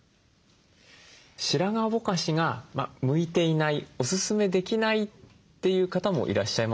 白髪ぼかしが向いていないおすすめできないという方もいらっしゃいますか？